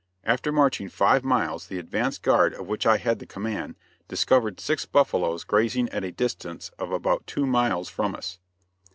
After marching five miles, the advance guard, of which I had the command, discovered six buffaloes grazing at a distance of about two miles from us.